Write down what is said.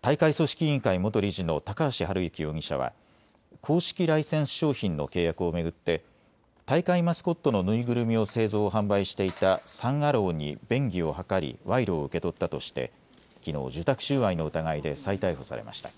大会組織委員会元理事の高橋治之容疑者は公式ライセンス商品の契約を巡って大会マスコットの縫いぐるみを製造・販売していたサン・アローに便宜を図り賄賂を受け取ったとしてきのう受託収賄の疑いで再逮捕されました。